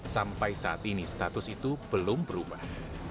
sampai saat ini status itu belum berubah